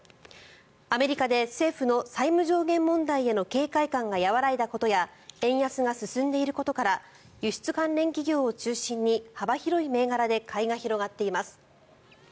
アメリカで政府の債務上限問題への警戒感が和らいだことや円安が進んでいることから輸出関連企業を中心に幅広い銘柄で買いが広がっています。